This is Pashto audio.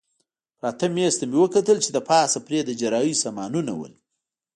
پراته مېز ته مې وکتل چې له پاسه پرې د جراحۍ سامانونه ول.